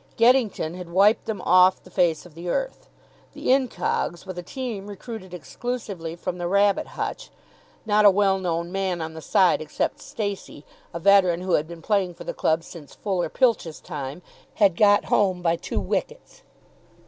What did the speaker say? Geddington had wiped them off the face of the earth. The Incogs, with a team recruited exclusively from the rabbit hutch not a well known man on the side except Stacey, a veteran who had been playing for the club since Fuller Pilch's time had got home by two wickets.